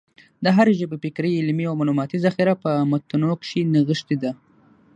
د هري ژبي فکري، علمي او معلوماتي ذخیره په متونو کښي نغښتې ده.